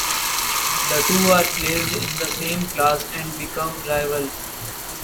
The two are placed in the same class and become rivals.